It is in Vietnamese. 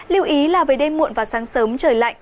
lưu ý là về đêm muộn và sáng sớm trời lạnh